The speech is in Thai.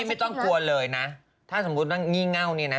ไม่ต้องกลัวเลยนะถ้าสมมุติว่างี่เง่าเนี่ยนะ